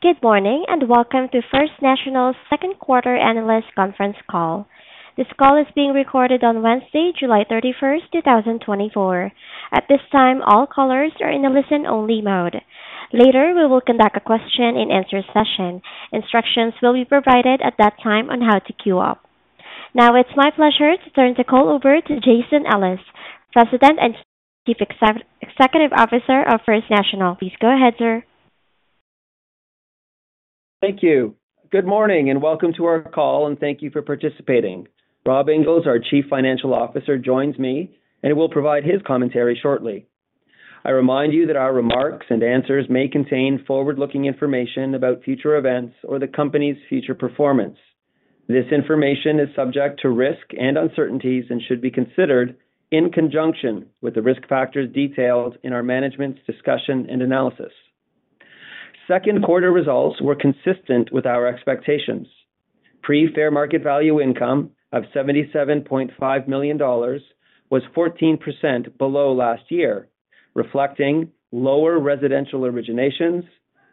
Good morning and welcome to First National's Second Quarter Analysts Conference Call. This call is being recorded on Wednesday, July 31st, 2024. At this time, all callers are in a listen-only mode. Later, we will conduct a question-and-answer session. Instructions will be provided at that time on how to queue up. Now, it's my pleasure to turn the call over to Jason Ellis, President and Chief Executive Officer of First National. Please go ahead, sir. Thank you. Good morning and welcome to our call, and thank you for participating. Rob Inglis, our Chief Financial Officer, joins me, and he will provide his commentary shortly. I remind you that our remarks and answers may contain forward-looking information about future events or the company's future performance. This information is subject to risk and uncertainties and should be considered in conjunction with the risk factors detailed in our Management's Discussion and Analysis. Second quarter results were consistent with our expectations. Pre-Fair Market Value Income of 77.5 million dollars was 14% below last year, reflecting lower residential originations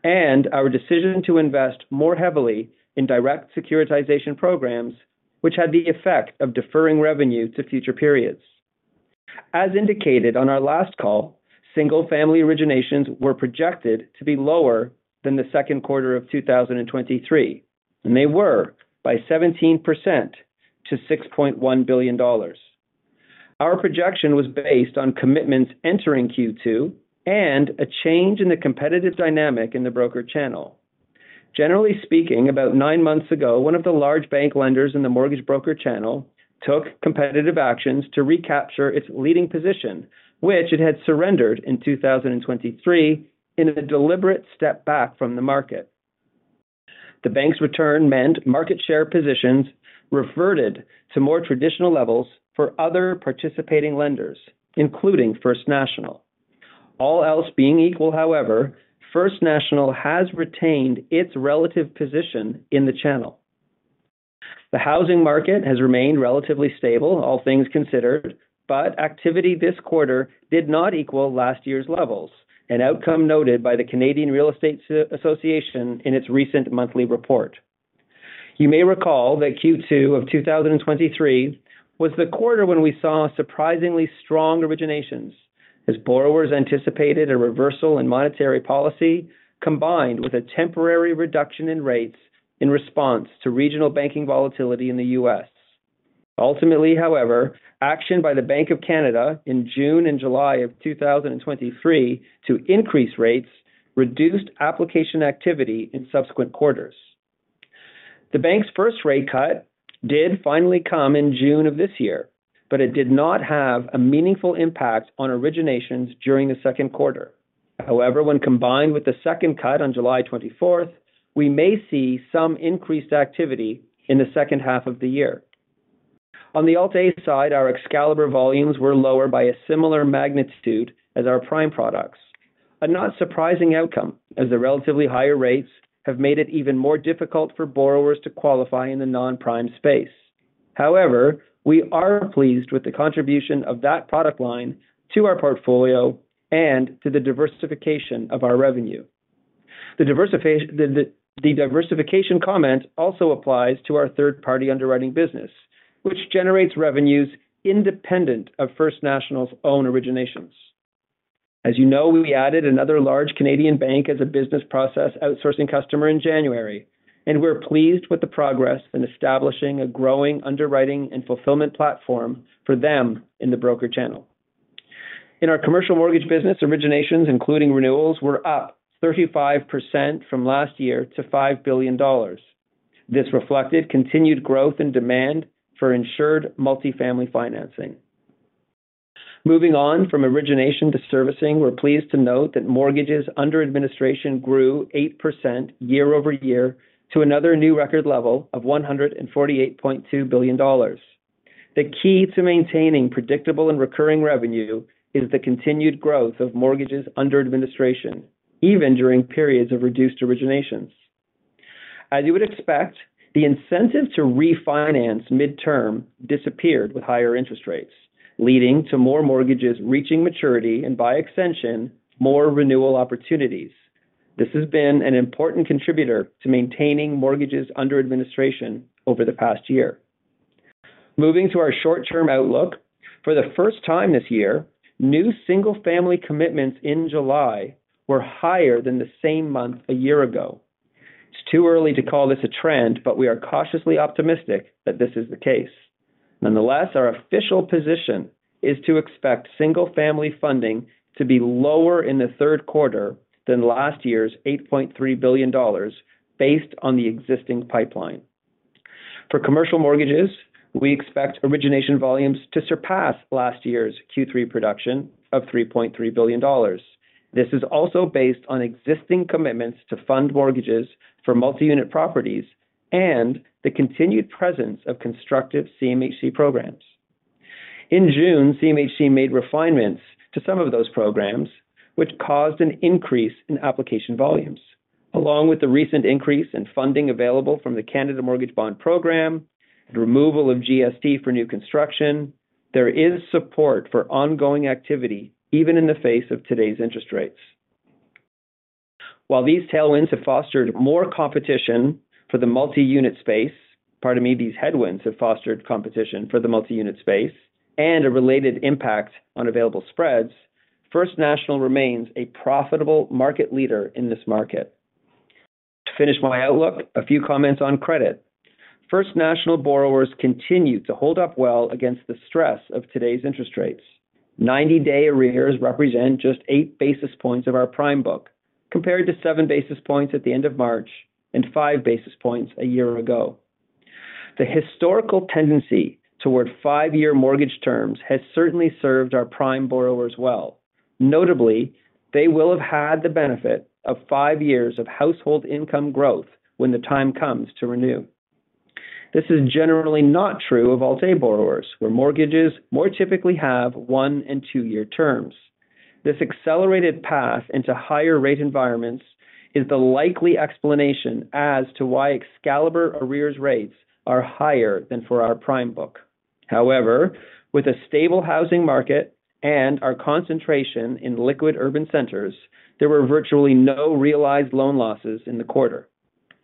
and our decision to invest more heavily in direct securitization programs, which had the effect of deferring revenue to future periods. As indicated on our last call, single-family originations were projected to be lower than the second quarter of 2023, and they were by 17% to 6.1 billion dollars. Our projection was based on commitments entering Q2 and a change in the competitive dynamic in the broker channel. Generally speaking, about nine months ago, one of the large bank lenders in the mortgage broker channel took competitive actions to recapture its leading position, which it had surrendered in 2023 in a deliberate step back from the market. The bank's return meant market share positions reverted to more traditional levels for other participating lenders, including First National. All else being equal, however, First National has retained its relative position in the channel. The housing market has remained relatively stable, all things considered, but activity this quarter did not equal last year's levels, an outcome noted by the Canadian Real Estate Association in its recent monthly report. You may recall that Q2 of 2023 was the quarter when we saw surprisingly strong originations, as borrowers anticipated a reversal in monetary policy combined with a temporary reduction in rates in response to regional banking volatility in the U.S. Ultimately, however, action by the Bank of Canada in June and July of 2023 to increase rates reduced application activity in subsequent quarters. The bank's first rate cut did finally come in June of this year, but it did not have a meaningful impact on originations during the second quarter. However, when combined with the second cut on July 24th, we may see some increased activity in the second half of the year. On the Alt-A side, our Excalibur volumes were lower by a similar magnitude as our prime products, a not surprising outcome as the relatively higher rates have made it even more difficult for borrowers to qualify in the non-prime space. However, we are pleased with the contribution of that product line to our portfolio and to the diversification of our revenue. The diversification comment also applies to our third-party underwriting business, which generates revenues independent of First National's own originations. As you know, we added another large Canadian bank as a business process outsourcing customer in January, and we're pleased with the progress in establishing a growing underwriting and fulfillment platform for them in the broker channel. In our commercial mortgage business, originations, including renewals, were up 35% from last year to $5 billion. This reflected continued growth in demand for insured multifamily financing. Moving on from origination to servicing, we're pleased to note that mortgages under administration grew 8% year-over-year to another new record level of 148.2 billion dollars. The key to maintaining predictable and recurring revenue is the continued growth of mortgages under administration, even during periods of reduced originations. As you would expect, the incentive to refinance midterm disappeared with higher interest rates, leading to more mortgages reaching maturity and, by extension, more renewal opportunities. This has been an important contributor to maintaining mortgages under administration over the past year. Moving to our short-term outlook, for the first time this year, new single-family commitments in July were higher than the same month a year ago. It's too early to call this a trend, but we are cautiously optimistic that this is the case. Nonetheless, our official position is to expect single-family funding to be lower in the third quarter than last year's 8.3 billion dollars, based on the existing pipeline. For commercial mortgages, we expect origination volumes to surpass last year's Q3 production of 3.3 billion dollars. This is also based on existing commitments to fund mortgages for multi-unit properties and the continued presence of constructive CMHC programs. In June, CMHC made refinements to some of those programs, which caused an increase in application volumes. Along with the recent increase in funding available from the Canada Mortgage Bond Program and removal of GST for new construction, there is support for ongoing activity even in the face of today's interest rates. While these tailwinds have fostered more competition for the multi-unit space, pardon me, these headwinds have fostered competition for the multi-unit space and a related impact on available spreads, First National remains a profitable market leader in this market. To finish my outlook, a few comments on credit. First National borrowers continue to hold up well against the stress of today's interest rates. 90-day arrears represent just 8 basis points of our prime book, compared to 7 basis points at the end of March and 5 basis points a year ago. The historical tendency toward five-year mortgage terms has certainly served our prime borrowers well. Notably, they will have had the benefit of five years of household income growth when the time comes to renew. This is generally not true of Alt-A borrowers, where mortgages more typically have one and two year terms. This accelerated path into higher rate environments is the likely explanation as to why Excalibur arrears rates are higher than for our prime book. However, with a stable housing market and our concentration in liquid urban centers, there were virtually no realized loan losses in the quarter.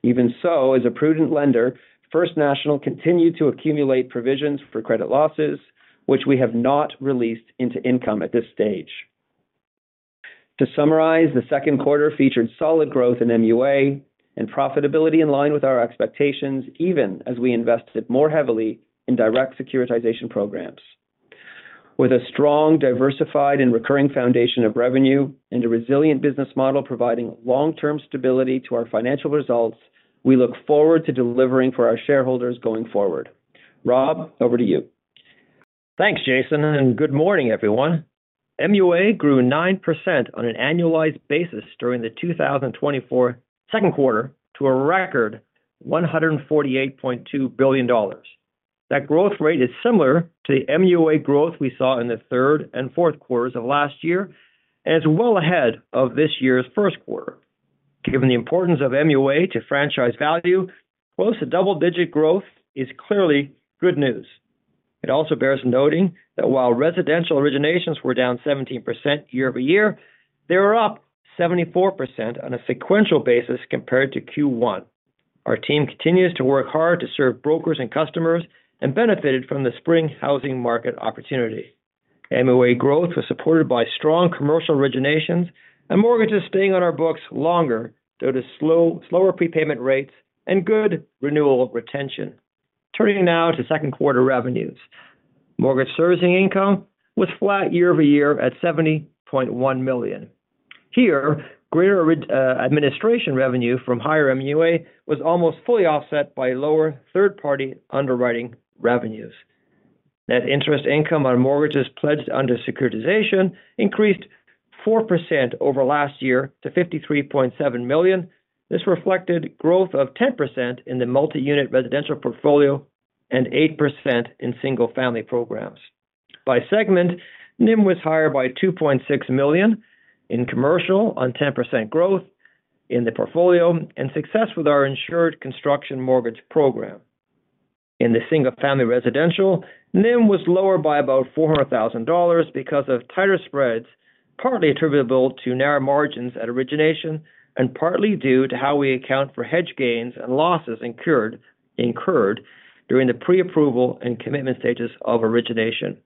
Even so, as a prudent lender, First National continued to accumulate provisions for credit losses, which we have not released into income at this stage. To summarize, the second quarter featured solid growth in MUA and profitability in line with our expectations, even as we invested more heavily in direct securitization programs. With a strong, diversified, and recurring foundation of revenue and a resilient business model providing long-term stability to our financial results, we look forward to delivering for our shareholders going forward. Rob, over to you. Thanks, Jason, and good morning, everyone. MUA grew 9% on an annualized basis during the 2024 second quarter to a record $148.2 billion. That growth rate is similar to the MUA growth we saw in the third and fourth quarters of last year and is well ahead of this year's first quarter. Given the importance of MUA to franchise value, close to double-digit growth is clearly good news. It also bears noting that while residential originations were down 17% year-over-year, they were up 74% on a sequential basis compared to Q1. Our team continues to work hard to serve brokers and customers and benefited from the spring housing market opportunity. MUA growth was supported by strong commercial originations and mortgages staying on our books longer due to slower prepayment rates and good renewal retention. Turning now to second quarter revenues, mortgage servicing income was flat year-over-year at 70.1 million. Here, greater administration revenue from higher MUA was almost fully offset by lower third-party underwriting revenues. Net interest income on mortgages pledged under securitization increased 4% over last year to 53.7 million. This reflected growth of 10% in the multi-unit residential portfolio and 8% in single-family programs. By segment, NIM was higher by 2.6 million in commercial on 10% growth in the portfolio and success with our insured construction mortgage program. In the single-family residential, NIM was lower by about 400,000 dollars because of tighter spreads, partly attributable to narrow margins at origination and partly due to how we account for hedge gains and losses incurred during the pre-approval and commitment stages of origination.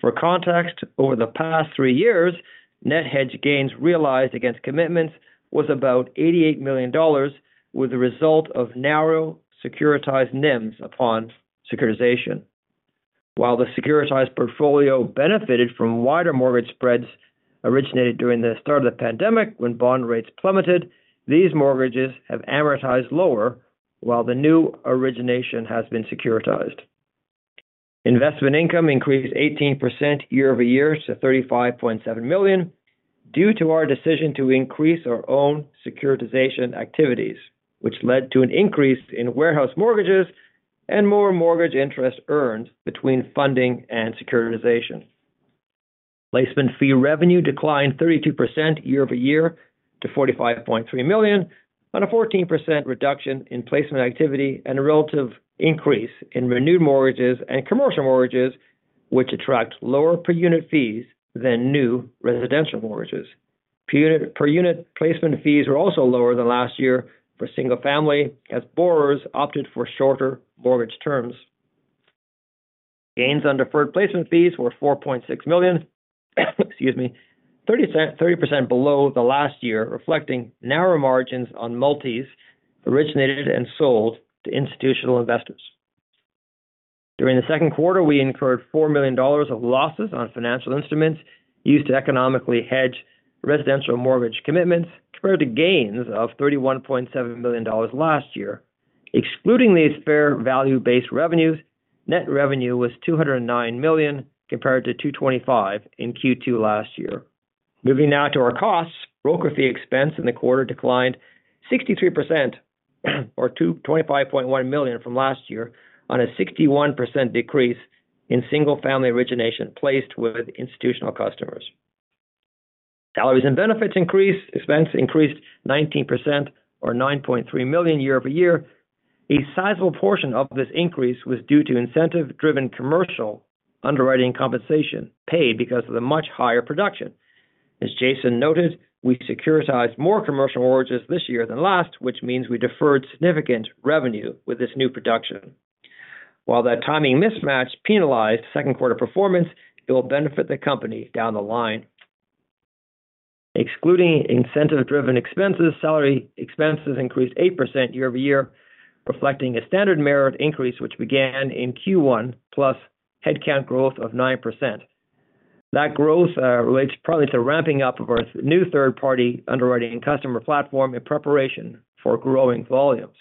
For context, over the past three years, net hedge gains realized against commitments was about 88 million dollars, with the result of narrow securitized NIMs upon securitization. While the securitized portfolio benefited from wider mortgage spreads originated during the start of the pandemic when bond rates plummeted, these mortgages have amortized lower while the new origination has been securitized. Investment income increased 18% year-over-year to 35.7 million due to our decision to increase our own securitization activities, which led to an increase in warehouse mortgages and more mortgage interest earned between funding and securitization. Placement fee revenue declined 32% year-over-year to 45.3 million on a 14% reduction in placement activity and a relative increase in renewed mortgages and commercial mortgages, which attract lower per-unit fees than new residential mortgages. Per-unit placement fees were also lower than last year for single-family as borrowers opted for shorter mortgage terms. Gains on deferred placement fees were 4.6 million, excuse me, 30% below the last year, reflecting narrow margins on multis originated and sold to institutional investors. During the second quarter, we incurred 4 million dollars of losses on financial instruments used to economically hedge residential mortgage commitments compared to gains of 31.7 million dollars last year. Excluding these fair value-based revenues, net revenue was 209 million compared to 225 million in Q2 last year. Moving now to our costs, broker fee expense in the quarter declined 63% or 225.1 million from last year on a 61% decrease in single-family origination placed with institutional customers. Salaries and benefits expense increased 19% or 9.3 million year-over-year. A sizable portion of this increase was due to incentive-driven commercial underwriting compensation paid because of the much higher production. As Jason noted, we securitized more commercial mortgages this year than last, which means we deferred significant revenue with this new production. While that timing mismatch penalized second quarter performance, it will benefit the company down the line. Excluding incentive-driven expenses, salary expenses increased 8% year-over-year, reflecting a standard merit increase which began in Q1 plus headcount growth of 9%. That growth relates partly to ramping up of our new third-party underwriting customer platform in preparation for growing volumes.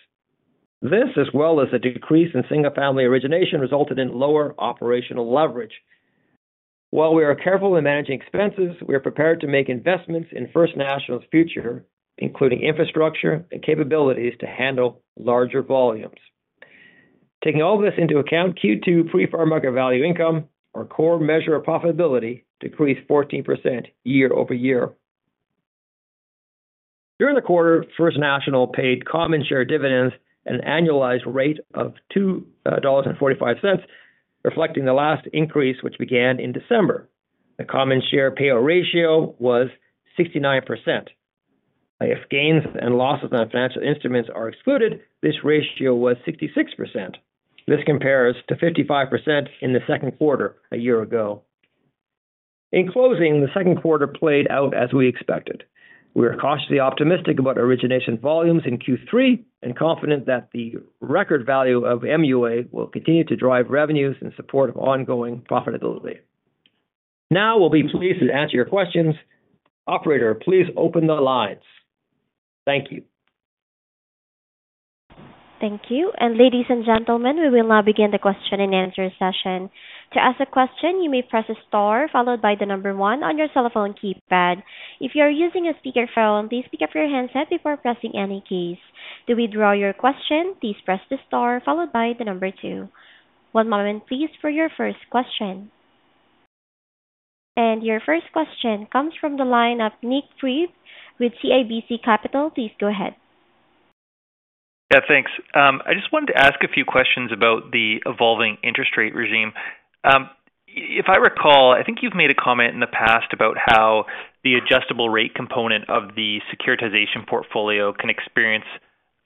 This, as well as a decrease in single-family origination, resulted in lower operational leverage. While we are careful in managing expenses, we are prepared to make investments in First National's future, including infrastructure and capabilities to handle larger volumes. Taking all of this into account, Q2 Pre-Fair Market Value Income, our core measure of profitability, decreased 14% year-over-year. During the quarter, First National paid common share dividends at an annualized rate of $2.45, reflecting the last increase which began in December. The common share payout ratio was 69%. If gains and losses on financial instruments are excluded, this ratio was 66%. This compares to 55% in the second quarter a year ago. In closing, the second quarter played out as we expected. We are cautiously optimistic about origination volumes in Q3 and confident that the record value of MUA will continue to drive revenues in support of ongoing profitability. Now, we'll be pleased to answer your questions. Operator, please open the lines. Thank you. Thank you. Ladies and gentlemen, we will now begin the question and answer session. To ask a question, you may press the star followed by the number one on your cell phone keypad. If you are using a speakerphone, please pick up your handset before pressing any keys. To withdraw your question, please press the star followed by the number two. One moment, please, for your first question. Your first question comes from the line of Nik Priebe with CIBC Capital Markets. Please go ahead. Yeah, thanks. I just wanted to ask a few questions about the evolving interest rate regime. If I recall, I think you've made a comment in the past about how the adjustable rate component of the securitization portfolio can experience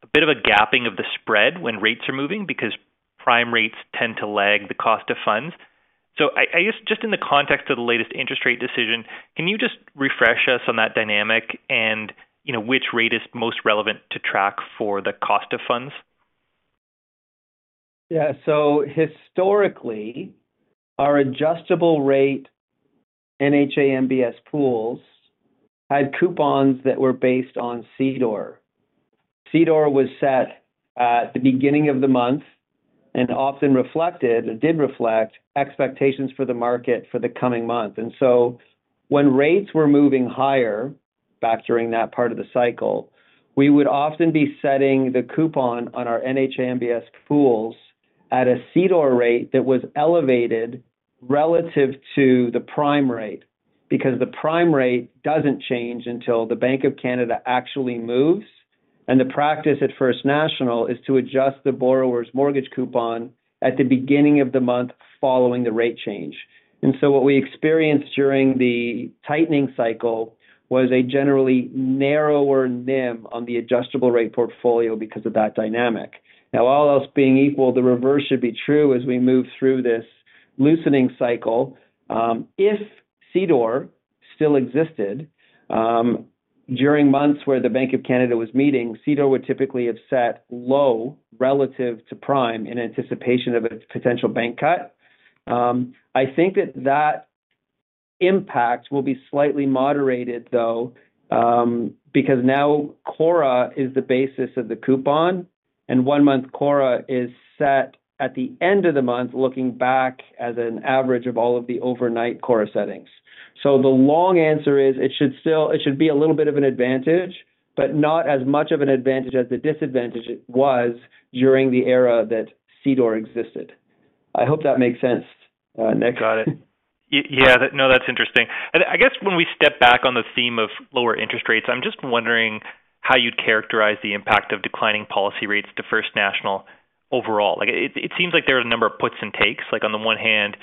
a bit of a gapping of the spread when rates are moving because prime rates tend to lag the cost of funds. I guess just in the context of the latest interest rate decision, can you just refresh us on that dynamic and which rate is most relevant to track for the cost of funds? Yeah. So historically, our adjustable rate NHA MBS pools had coupons that were based on CDOR. CDOR was set at the beginning of the month and often reflected or did reflect expectations for the market for the coming month. And so when rates were moving higher back during that part of the cycle, we would often be setting the coupon on our NHA MBS pools at a CDOR rate that was elevated relative to the prime rate because the prime rate doesn't change until the Bank of Canada actually moves. And the practice at First National is to adjust the borrower's mortgage coupon at the beginning of the month following the rate change. And so what we experienced during the tightening cycle was a generally narrower NIM on the adjustable rate portfolio because of that dynamic. Now, all else being equal, the reverse should be true as we move through this loosening cycle. If CDOR still existed during months where the Bank of Canada was meeting, CDOR would typically have set low relative to prime in anticipation of a potential bank cut. I think that that impact will be slightly moderated, though, because now CORRA is the basis of the coupon, and one-month CORRA is set at the end of the month looking back as an average of all of the overnight CORRA settings. So the long answer is it should still, it should be a little bit of an advantage, but not as much of an advantage as the disadvantage it was during the era that CDOR existed. I hope that makes sense, Nick. Got it. Yeah. No, that's interesting. I guess when we step back on the theme of lower interest rates, I'm just wondering how you'd characterize the impact of declining policy rates to First National overall. It seems like there are a number of puts and takes. On the one hand,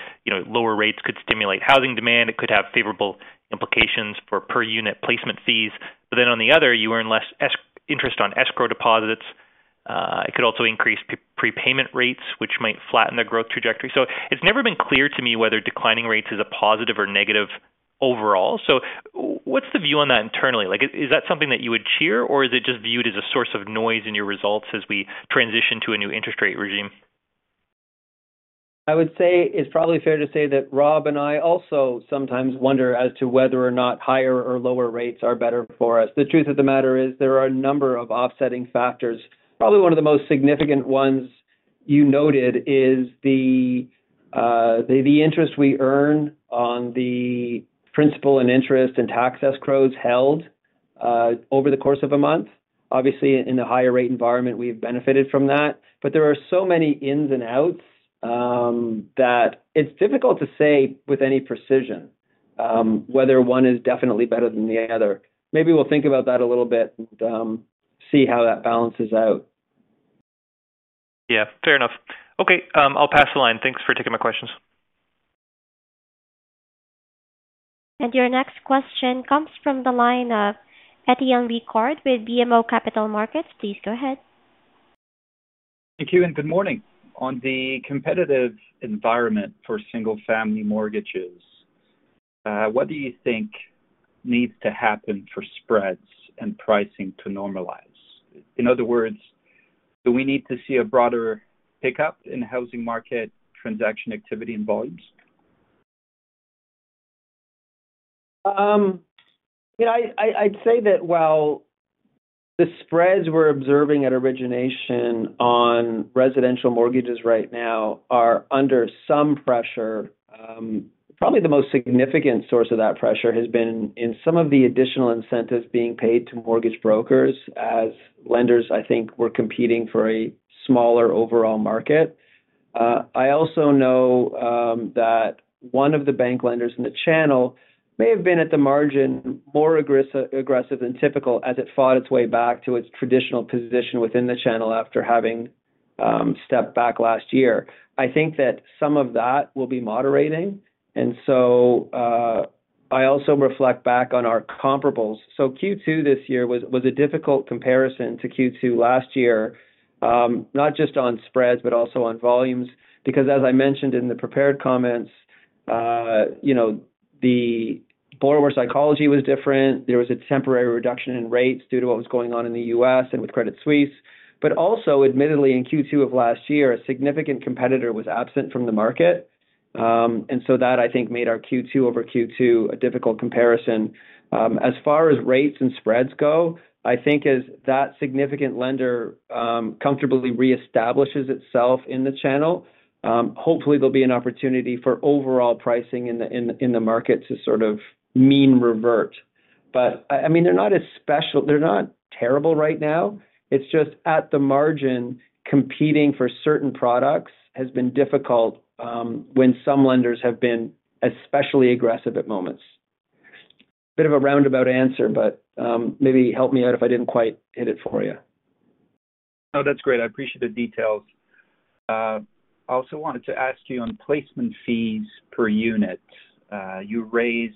lower rates could stimulate housing demand. It could have favorable implications for per-unit placement fees. But then on the other, you earn less interest on escrow deposits. It could also increase prepayment rates, which might flatten the growth trajectory. It's never been clear to me whether declining rates is a positive or negative overall. What's the view on that internally? Is that something that you would cheer, or is it just viewed as a source of noise in your results as we transition to a new interest rate regime? I would say it's probably fair to say that Rob and I also sometimes wonder as to whether or not higher or lower rates are better for us. The truth of the matter is there are a number of offsetting factors. Probably one of the most significant ones you noted is the interest we earn on the principal and interest and tax escrows held over the course of a month. Obviously, in a higher rate environment, we've benefited from that. But there are so many ins and outs that it's difficult to say with any precision whether one is definitely better than the other. Maybe we'll think about that a little bit and see how that balances out. Yeah, fair enough. Okay. I'll pass the line. Thanks for taking my questions. Your next question comes from the line of Étienne Ricard with BMO Capital Markets. Please go ahead. Thank you. Good morning. On the competitive environment for single-family mortgages, what do you think needs to happen for spreads and pricing to normalize? In other words, do we need to see a broader pickup in housing market transaction activity and volumes? I'd say that while the spreads we're observing at origination on residential mortgages right now are under some pressure, probably the most significant source of that pressure has been in some of the additional incentives being paid to mortgage brokers as lenders, I think, were competing for a smaller overall market. I also know that one of the bank lenders in the channel may have been at the margin more aggressive than typical as it fought its way back to its traditional position within the channel after having stepped back last year. I think that some of that will be moderating. And so I also reflect back on our comparables. So Q2 this year was a difficult comparison to Q2 last year, not just on spreads, but also on volumes, because, as I mentioned in the prepared comments, the borrower psychology was different. There was a temporary reduction in rates due to what was going on in the U.S. and with Credit Suisse. But also, admittedly, in Q2 of last year, a significant competitor was absent from the market. And so that, I think, made our Q2 over Q2 a difficult comparison. As far as rates and spreads go, I think as that significant lender comfortably reestablishes itself in the channel, hopefully there'll be an opportunity for overall pricing in the market to sort of mean revert. But I mean, they're not as special. They're not terrible right now. It's just at the margin competing for certain products has been difficult when some lenders have been especially aggressive at moments. Bit of a roundabout answer, but maybe help me out if I didn't quite hit it for you. Oh, that's great. I appreciate the details. I also wanted to ask you on placement fees per unit. You raised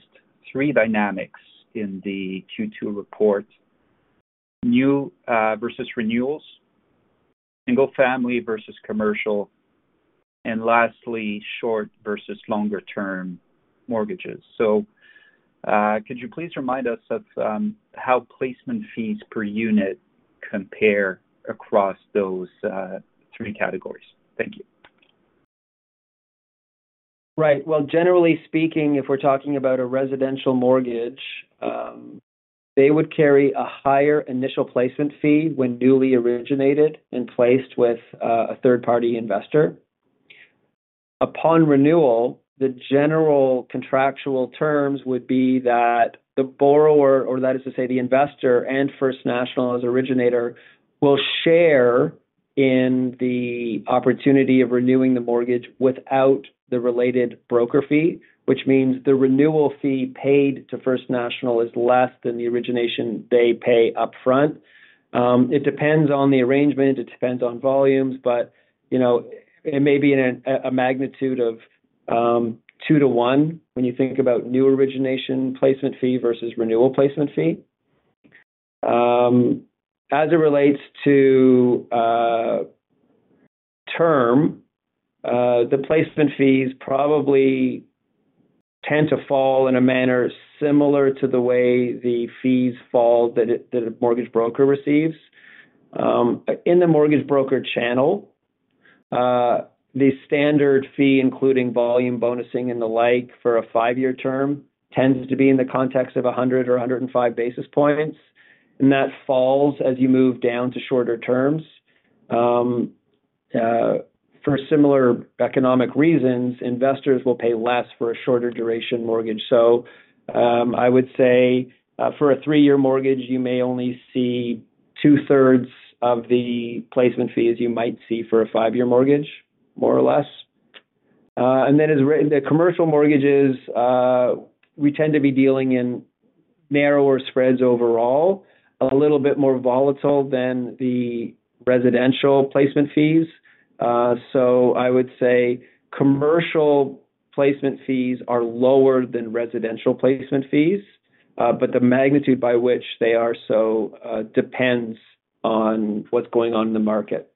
three dynamics in the Q2 report: new versus renewals, single-family versus commercial, and lastly, short versus longer-term mortgages. So could you please remind us of how placement fees per unit compare across those three categories? Thank you. Right. Well, generally speaking, if we're talking about a residential mortgage, they would carry a higher initial placement fee when newly originated and placed with a third-party investor. Upon renewal, the general contractual terms would be that the borrower, or that is to say the investor and First National as originator, will share in the opportunity of renewing the mortgage without the related broker fee, which means the renewal fee paid to First National is less than the origination they pay upfront. It depends on the arrangement. It depends on volumes, but it may be a magnitude of 2-1 when you think about new origination placement fee versus renewal placement fee. As it relates to term, the placement fees probably tend to fall in a manner similar to the way the fees fall that a mortgage broker receives. In the mortgage broker channel, the standard fee, including volume bonusing and the like, for a five-year term tends to be in the context of 100 or 105 basis points. That falls as you move down to shorter terms. For similar economic reasons, investors will pay less for a shorter duration mortgage. I would say for a three-year mortgage, you may only see 2/3 of the placement fee as you might see for a five-year mortgage, more or less. Then as the commercial mortgages, we tend to be dealing in narrower spreads overall, a little bit more volatile than the residential placement fees. I would say commercial placement fees are lower than residential placement fees, but the magnitude by which they are so depends on what's going on in the market.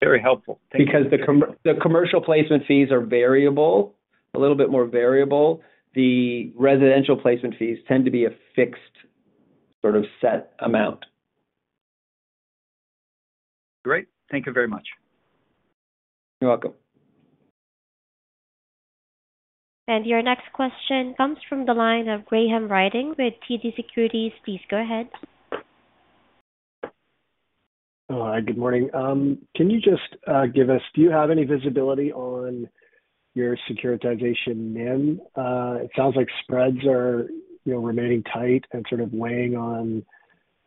Very helpful. Thank you. Because the commercial placement fees are variable, a little bit more variable. The residential placement fees tend to be a fixed sort of set amount. Great. Thank you very much. You're welcome. Your next question comes from the line of Graham Ryding with TD Securities. Please go ahead. Hi, good morning. Can you just give us, do you have any visibility on your securitization NIM? It sounds like spreads are remaining tight and sort of weighing on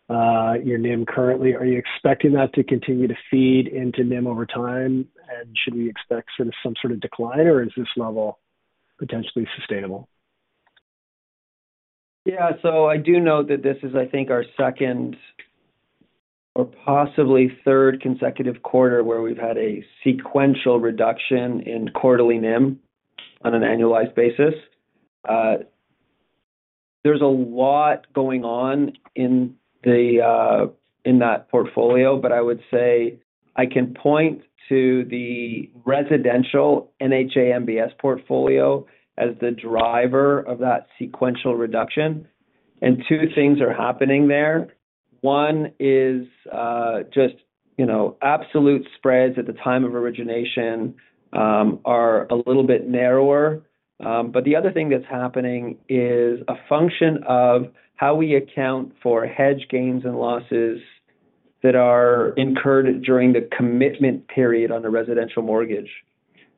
your NIM currently. Are you expecting that to continue to feed into NIM over time? And should we expect sort of some sort of decline, or is this level potentially sustainable? Yeah. So I do note that this is, I think, our second or possibly third consecutive quarter where we've had a sequential reduction in quarterly NIM on an annualized basis. There's a lot going on in that portfolio, but I would say I can point to the residential NHA MBS portfolio as the driver of that sequential reduction. And two things are happening there. One is just absolute spreads at the time of origination are a little bit narrower. But the other thing that's happening is a function of how we account for hedge gains and losses that are incurred during the commitment period on a residential mortgage.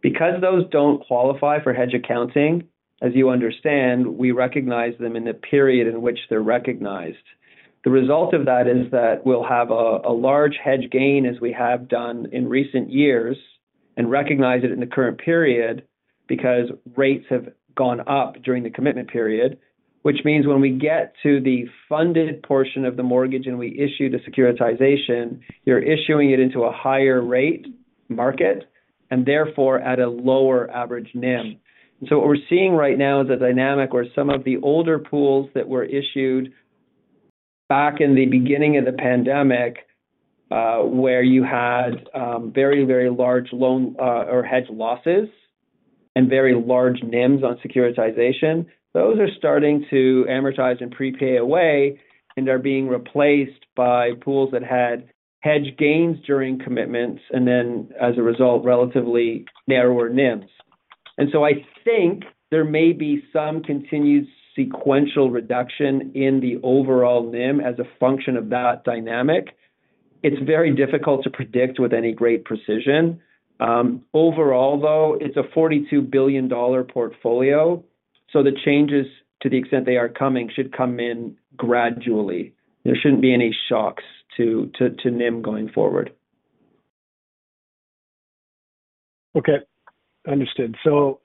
Because those don't qualify for hedge accounting, as you understand, we recognize them in the period in which they're recognized. The result of that is that we'll have a large hedge gain as we have done in recent years and recognize it in the current period because rates have gone up during the commitment period, which means when we get to the funded portion of the mortgage and we issue the securitization, you're issuing it into a higher rate market and therefore at a lower average NIM. And so what we're seeing right now is a dynamic where some of the older pools that were issued back in the beginning of the pandemic where you had very, very large loan or hedge losses and very large NIMs on securitization, those are starting to amortize and prepay away and are being replaced by pools that had hedge gains during commitments and then, as a result, relatively narrower NIMs. And so I think there may be some continued sequential reduction in the overall NIM as a function of that dynamic. It's very difficult to predict with any great precision. Overall, though, it's a 42 billion dollar portfolio. So the changes, to the extent they are coming, should come in gradually. There shouldn't be any shocks to NIM going forward. Okay. Understood. So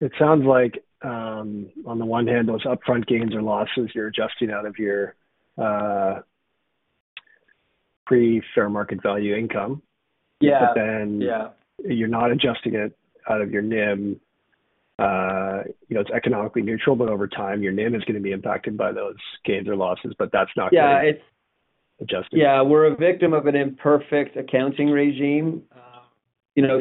it sounds like on the one hand, those upfront gains or losses you're adjusting out of your Pre-Fair Market Value Income. But then you're not adjusting it out of your NIM. It's economically neutral, but over time, your NIM is going to be impacted by those gains or losses, but that's not going to be adjusted. Yeah. We're a victim of an imperfect accounting regime.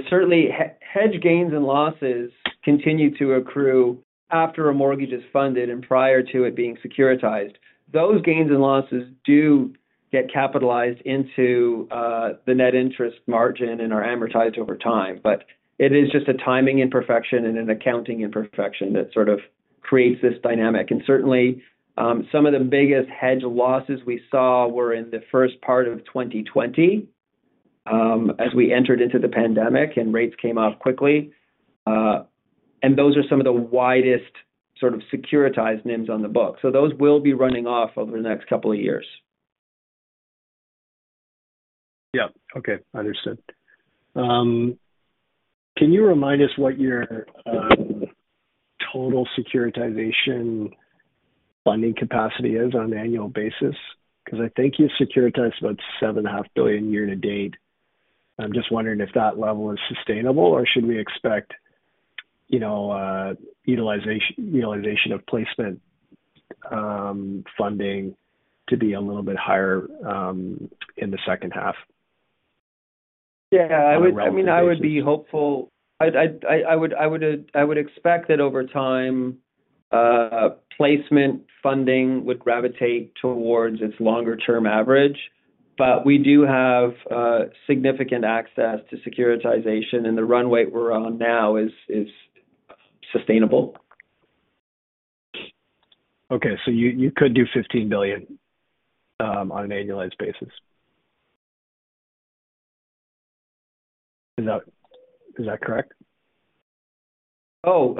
Certainly, hedge gains and losses continue to accrue after a mortgage is funded and prior to it being securitized. Those gains and losses do get capitalized into the net interest margin and are amortized over time. But it is just a timing imperfection and an accounting imperfection that sort of creates this dynamic. And certainly, some of the biggest hedge losses we saw were in the first part of 2020 as we entered into the pandemic and rates came off quickly. And those are some of the widest sort of securitized NIMs on the book. So those will be running off over the next couple of years. Yeah. Okay. Understood. Can you remind us what your total securitization funding capacity is on an annual basis? Because I think you've securitized about 7.5 billion year to date. I'm just wondering if that level is sustainable, or should we expect utilization of placement funding to be a little bit higher in the second half? Yeah. I mean, I would be hopeful. I would expect that over time, placement funding would gravitate towards its longer-term average. But we do have significant access to securitization, and the runway we're on now is sustainable. Okay. So you could do 15 billion on an annualized basis. Is that correct? Oh.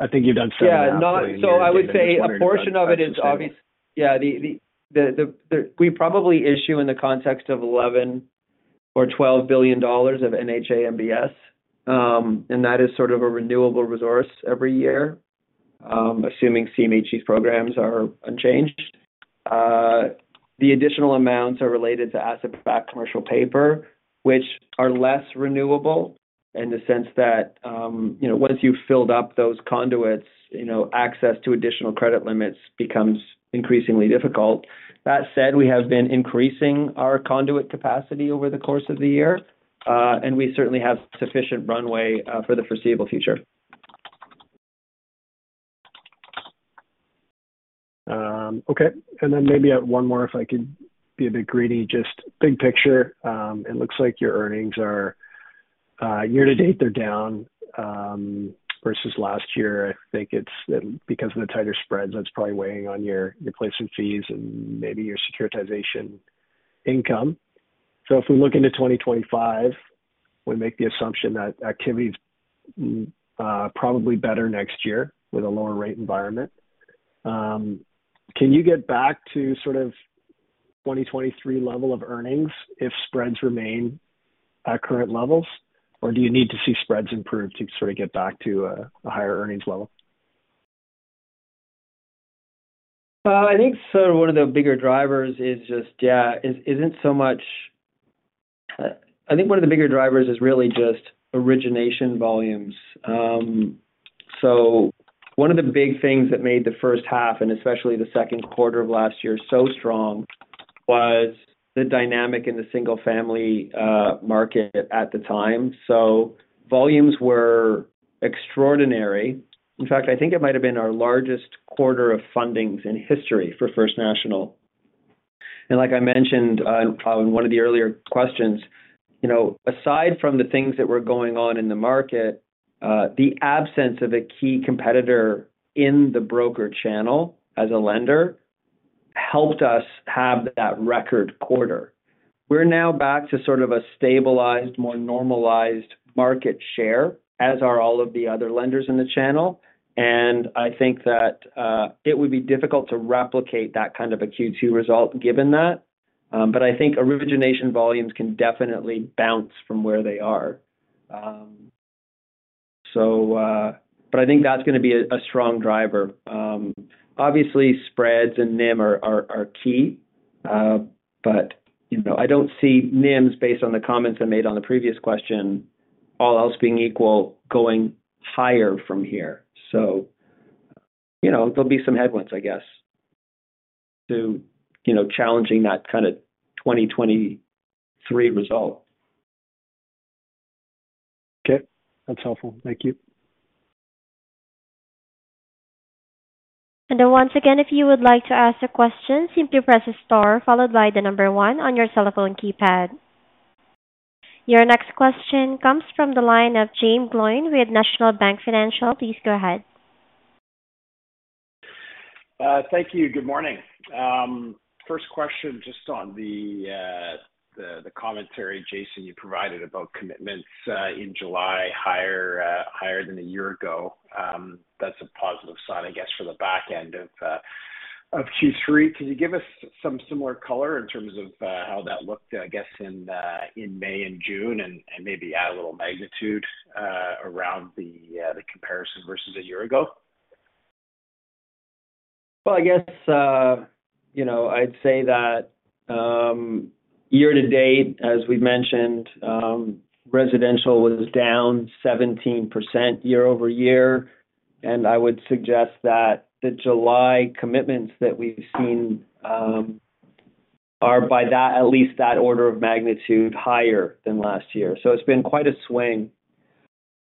I think you've done 7.5 billion. Yeah. So I would say a portion of it is obviously yeah. We probably issue in the context of 11 billion or 12 billion dollars of NHA MBS, and that is sort of a renewable resource every year, assuming CMHC programs are unchanged. The additional amounts are related to asset-backed commercial paper, which are less renewable in the sense that once you've filled up those conduits, access to additional credit limits becomes increasingly difficult. That said, we have been increasing our conduit capacity over the course of the year, and we certainly have sufficient runway for the foreseeable future. Okay. And then maybe one more, if I could be a bit greedy, just big picture. It looks like your earnings are year to date, they're down versus last year. I think it's because of the tighter spreads. That's probably weighing on your placement fees and maybe your securitization income. So if we look into 2025, we make the assumption that activity is probably better next year with a lower rate environment. Can you get back to sort of 2023 level of earnings if spreads remain at current levels, or do you need to see spreads improve to sort of get back to a higher earnings level? I think one of the bigger drivers is really just origination volumes. So one of the big things that made the first half and especially the second quarter of last year so strong was the dynamic in the single-family market at the time. So volumes were extraordinary. In fact, I think it might have been our largest quarter of fundings in history for First National. And like I mentioned in one of the earlier questions, aside from the things that were going on in the market, the absence of a key competitor in the broker channel as a lender helped us have that record quarter. We're now back to sort of a stabilized, more normalized market share, as are all of the other lenders in the channel. And I think that it would be difficult to replicate that kind of a Q2 result given that. But I think origination volumes can definitely bounce from where they are. But I think that's going to be a strong driver. Obviously, spreads and NIM are key. But I don't see NIMs, based on the comments I made on the previous question, all else being equal, going higher from here. So there'll be some headwinds, I guess, to challenging that kind of 2023 result. Okay. That's helpful. Thank you. Once again, if you would like to ask a question, simply press the star followed by the number 1 on your cell phone keypad. Your next question comes from the line of Jaeme Gloyn with National Bank Financial. Please go ahead. Thank you. Good morning. First question, just on the commentary, Jason, you provided about commitments in July higher than a year ago. That's a positive sign, I guess, for the back end of Q3. Could you give us some similar color in terms of how that looked, I guess, in May and June and maybe add a little magnitude around the comparison versus a year ago? Well, I guess I'd say that year to date, as we've mentioned, residential was down 17% year-over-year. And I would suggest that the July commitments that we've seen are by at least that order of magnitude higher than last year. So it's been quite a swing.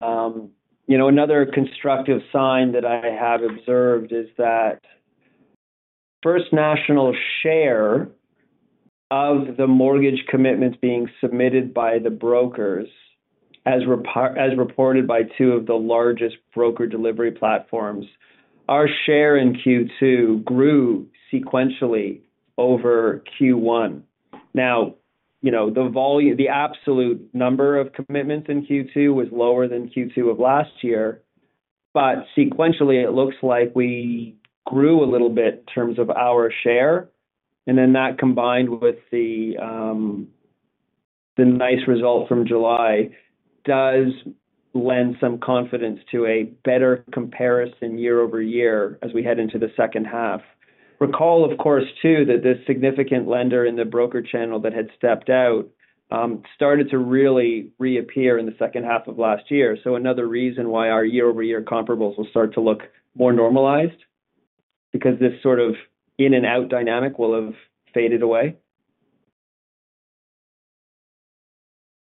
Another constructive sign that I have observed is that First National's share of the mortgage commitments being submitted by the brokers, as reported by two of the largest broker delivery platforms, our share in Q2 grew sequentially over Q1. Now, the absolute number of commitments in Q2 was lower than Q2 of last year. But sequentially, it looks like we grew a little bit in terms of our share. And then that combined with the nice result from July does lend some confidence to a better comparison year-over-year as we head into the second half. Recall, of course, too, that this significant lender in the broker channel that had stepped out started to really reappear in the second half of last year. So another reason why our year-over-year comparables will start to look more normalized because this sort of in-and-out dynamic will have faded away.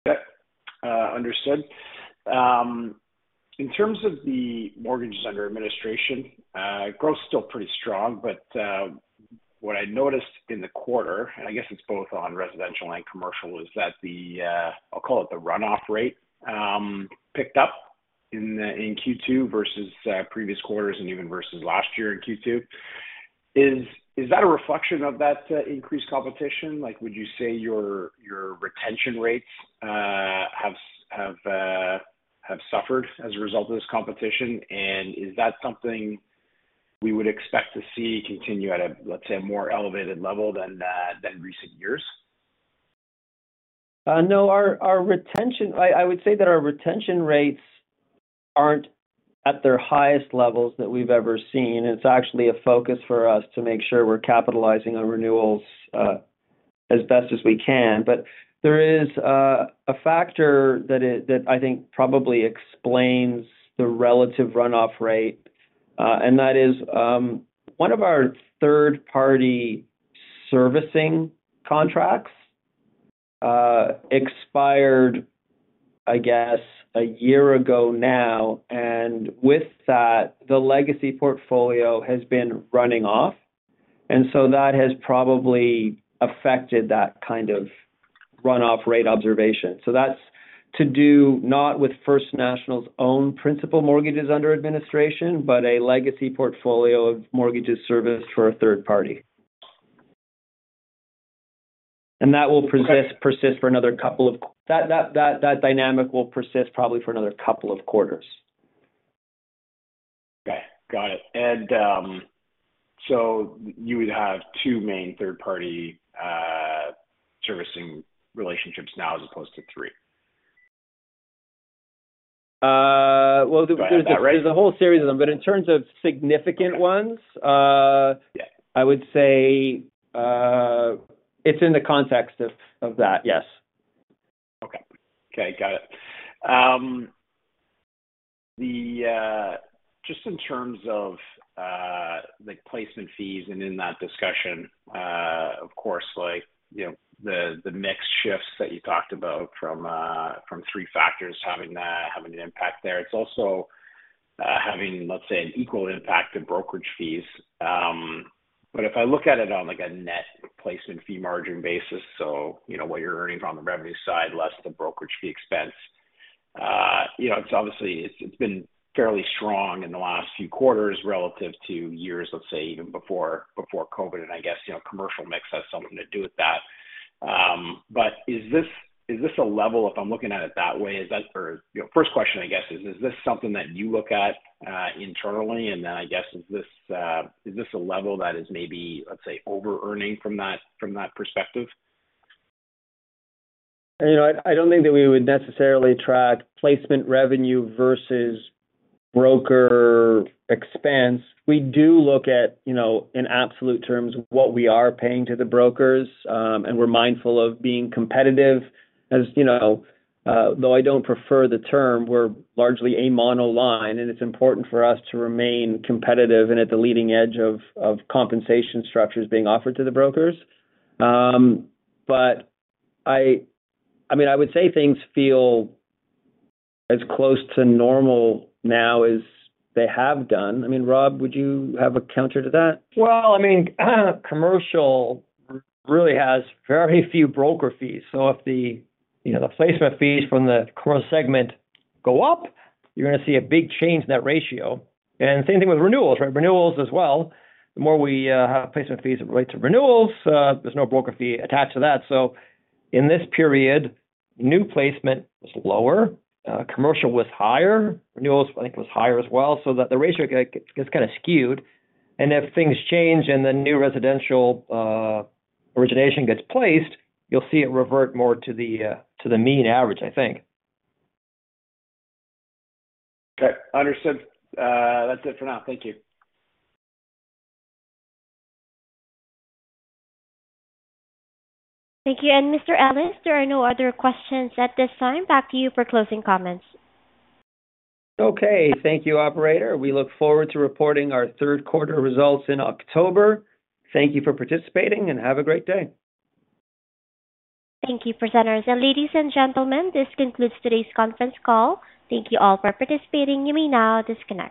Okay. Understood. In terms of the mortgages under administration, growth is still pretty strong. But what I noticed in the quarter, and I guess it's both on residential and commercial, is that the, I'll call it the runoff rate, picked up in Q2 versus previous quarters and even versus last year in Q2. Is that a reflection of that increased competition? Would you say your retention rates have suffered as a result of this competition? And is that something we would expect to see continue at a, let's say, a more elevated level than recent years? No. I would say that our retention rates aren't at their highest levels that we've ever seen. And it's actually a focus for us to make sure we're capitalizing on renewals as best as we can. But there is a factor that I think probably explains the relative runoff rate. And that is one of our third-party servicing contracts expired, I guess, a year ago now. And with that, the legacy portfolio has been running off. And so that has probably affected that kind of runoff rate observation. So that's not to do with First National's own principal mortgages under administration, but a legacy portfolio of mortgages serviced for a third party. And that will persist for another couple of that dynamic will persist probably for another couple of quarters. Okay. Got it. And so you would have two main third-party servicing relationships now as opposed to three? Well, there's a whole series of them. But in terms of significant ones, I would say it's in the context of that, yes. Okay. Okay. Got it. Just in terms of the placement fees and in that discussion, of course, the mixed shifts that you talked about from three factors having an impact there. It's also having, let's say, an equal impact to brokerage fees. But if I look at it on a net placement fee margin basis, so what you're earning from the revenue side less the brokerage fee expense, it's obviously been fairly strong in the last few quarters relative to years, let's say, even before COVID. And I guess commercial mix has something to do with that. But is this a level, if I'm looking at it that way, is that. Or first question, I guess, is this something that you look at internally? And then I guess is this a level that is maybe, let's say, over-earning from that perspective? I don't think that we would necessarily track placement revenue versus broker expense. We do look at, in absolute terms, what we are paying to the brokers. We're mindful of being competitive. Though I don't prefer the term, we're largely a monoline. It's important for us to remain competitive and at the leading edge of compensation structures being offered to the brokers. I mean, I would say things feel as close to normal now as they have done. I mean, Rob, would you have a counter to that? Well, I mean, commercial really has very few broker fees. So if the placement fees from the commercial segment go up, you're going to see a big change in that ratio. And same thing with renewals, right? Renewals as well. The more we have placement fees that relate to renewals, there's no broker fee attached to that. So in this period, new placement was lower. Commercial was higher. Renewals, I think, was higher as well. So the ratio gets kind of skewed. And if things change and the new residential origination gets placed, you'll see it revert more to the mean average, I think. Okay. Understood. That's it for now. Thank you. Thank you. Mr. Ellis, there are no other questions at this time. Back to you for closing comments. Okay. Thank you, Operator. We look forward to reporting our third quarter results in October. Thank you for participating, and have a great day. Thank you, presenters. Ladies and gentlemen, this concludes today's conference call. Thank you all for participating. You may now disconnect.